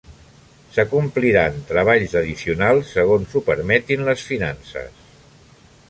S'acompliren treballs addicionals segons ho permetin les finances.